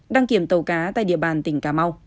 đăng kiểm tàu cá tại địa bàn tỉnh cà mau